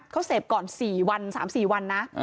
เขาเสพก่อนสี่วันสามสี่วันนะ